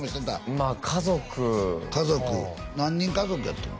まあ家族家族何人家族やったの？